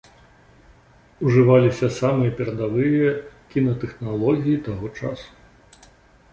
Ужываліся самыя перадавыя кінатэхналогіі таго часу.